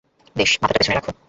বেশ, মাথাটা পেছনে রাখো।